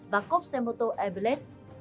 và cốc xe mô tô evelet